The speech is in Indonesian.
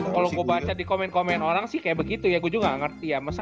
kalo gua baca di komen komen orang sih kayak begitu ya gua juga ga ngerti ya